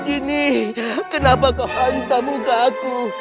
ini kenapa kau hantar muka aku